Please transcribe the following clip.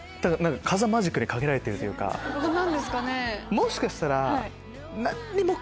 もしかしたら。